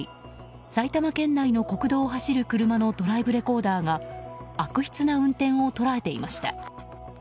埼玉県内の国道を走る車のドライブレコーダーが悪質な運転を捉えていました。